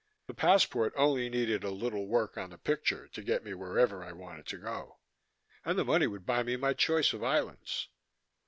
The passport only needed a little work on the picture to get me wherever I wanted to go, and the money would buy me my choice of islands.